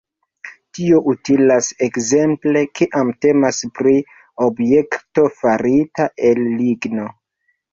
Tio utilas ekzemple, kiam temas pri objekto farita el ligno.